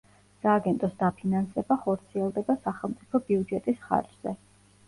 სააგენტოს დაფინანსება ხორციელდება სახელმწიფო ბიუჯეტის ხარჯზე.